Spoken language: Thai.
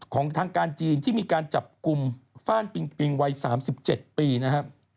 ของทางการจีนที่มีการจับกลุ่มฟ่านปิงปิงวัย๓๗ปีนะครับ